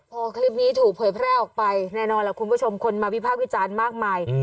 พอคลิปนี้ถูกเผยแพร่ออกไปแน่นอนล่ะคุณผู้ชมคนมาวิพากษ์วิจารณ์มากมาย